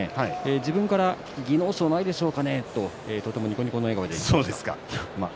自分から技能賞ないでしょうかねととてもにこにこの笑顔でした。